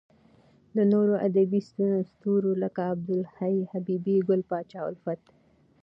د نورو ادبې ستورو لکه عبد الحی حبیبي، ګل پاچا الفت .